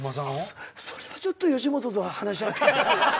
それはちょっと吉本と話し合って。